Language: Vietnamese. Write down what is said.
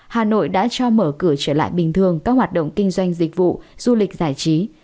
hà nội đã cho mở cửa trở lại bình thường các hoạt động kinh doanh dịch vụ du lịch giải trí